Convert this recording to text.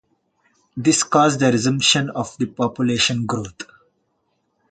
This caused a resumption of population growth.